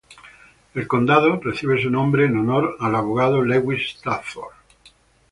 El condado recibe su nombre en honor al abogado Lewis Stafford.